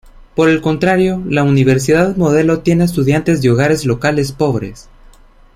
Por el contrario, la universidad modelo tiene estudiantes de hogares locales pobres.